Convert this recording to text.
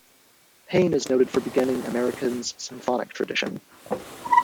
Paine is noted for beginning American's symphonic tradition.